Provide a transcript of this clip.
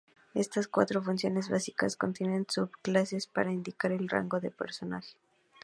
Estas cuatro funciones básicas contienen subclases para indicar el rango del personaje.